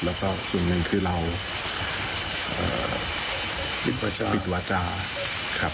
และก็สองอกองที่เราปิดวาจา